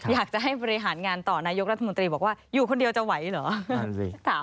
อยากจะให้บริหารงานต่อนายกรัฐมนตรีบอกว่าอยู่คนเดียวจะไหวเหรอ